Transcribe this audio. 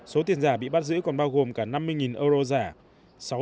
số tiền giả bị bắt giữ còn bao gồm cả năm mươi euro giả